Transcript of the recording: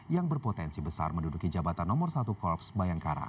yang berpotensi besar menduduki jabatan nomor satu korps bayangkara